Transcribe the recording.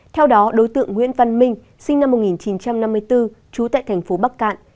theo đó đối tượng nguyễn văn minh sinh năm một nghìn chín trăm năm mươi bốn trú tại thành phố bắc cạn